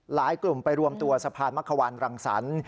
หลายกลุ่มไปรวมตัวสะพานมะควานรังสรรค์